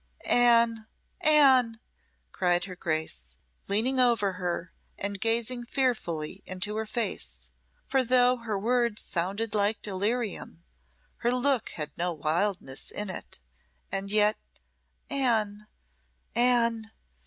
"Anne! Anne!" cried her Grace, leaning over her and gazing fearfully into her face; for though her words sounded like delirium, her look had no wildness in it. And yet "Anne, Anne!